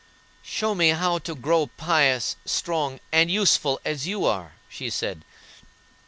"Show me how to grow pious, strong, and useful, as you are," she said.